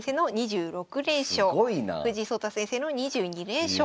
藤井聡太先生の２２連勝。